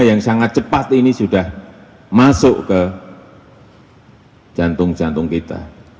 yang sangat cepat ini sudah masuk ke jantung jantung kita